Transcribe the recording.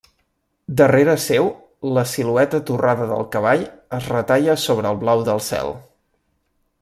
Darrere seu la silueta torrada del cavall es retalla sobre el blau del cel.